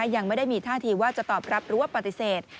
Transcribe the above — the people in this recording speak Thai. ยังไม่ได้มีท่าทีว่าจะตอบรับหรือว่าปฏิเสธ